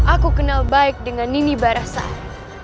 aku kenal baik dengan nini barasah